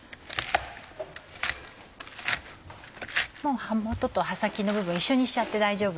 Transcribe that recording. もう葉元と葉先の部分一緒にしちゃって大丈夫です。